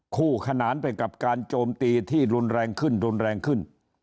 คู่ขนานไปกับการโจมตีที่รุนแรงขึ้น